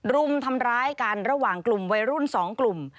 รุมทำร้ายกันระหว่างกลุ่มวัยรุ่น๒กลุ่ม